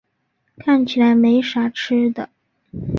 看起来没啥吃的